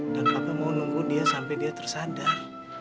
dan papa mau nunggu dia sampai dia tersadar